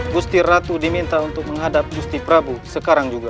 gusti ratu diminta untuk menghadap gusti prabu sekarang juga